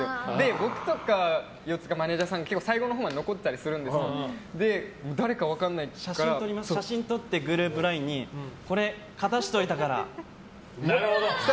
僕とか四谷とかマネジャーさんは最後のほうまで残ってたりするんですけど誰か分からないけど写真を撮ってグループＬＩＮＥにこれ、片しておいたからって。